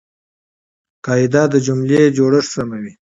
قاعده د جملې جوړښت سموي.